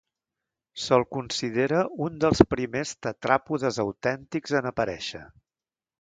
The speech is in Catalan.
Se'l considera un dels primers tetràpodes autèntics en aparèixer.